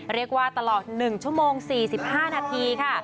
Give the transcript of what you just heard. เรียกว่าตลอด๑ชั่วโมง๔๕นาทีค่ะ